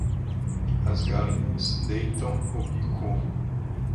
As galinhas deitam o bico.